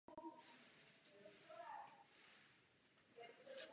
Hrálo se zde též ochotnické divadlo.